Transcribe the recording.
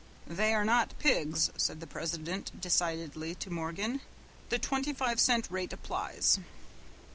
"They are not pigs," said the president, decidedly, to Morgan. "The twenty five cent rate applies."